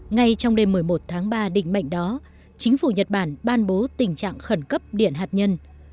ngay trong đêm một mươi một tháng ba đình mệnh đó chính phủ nhật bản ban bố tình trạng khẩn cấp điện hạt nhân